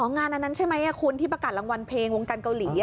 งานอันนั้นใช่ไหมคุณที่ประกาศรางวัลเพลงวงการเกาหลี